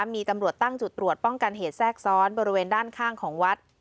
มีตำรวจตั้งจุดตรวจป้องกันเหตุแทรกซ้อนบริเวณด้านข้างของวัด